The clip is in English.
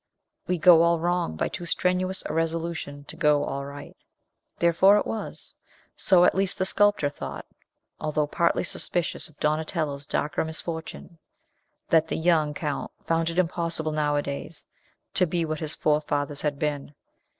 We go all wrong, by too strenuous a resolution to go all right. Therefore it was so, at least, the sculptor thought, although partly suspicious of Donatello's darker misfortune that the young Count found it impossible nowadays to be what his forefathers had been.